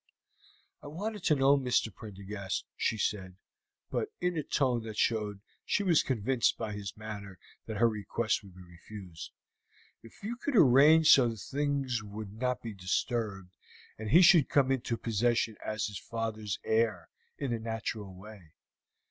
"I wanted to know, Mr. Prendergast," she said, but in a tone that showed she was convinced by his manner that her request would be refused, "if you could arrange so that things would not be disturbed, and he should come into possession as his father's heir in the natural way."